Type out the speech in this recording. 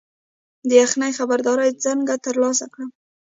د یخنۍ خبرداری څنګه ترلاسه کړم؟